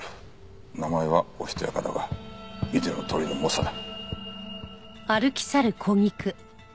名前はおしとやかだが見てのとおりの猛者だ。